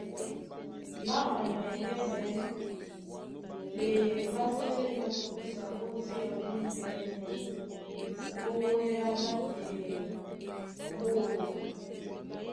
Ɓá manɛŋgɛ́ ɓên ɓeyɛy ɓá sɛ́lɛ́nɔ̄ kusa ó díɔ díndɛ́nɛ ó wéá nátɛɛ ɓé óla.